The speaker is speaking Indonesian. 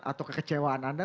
atau kekecewaan anda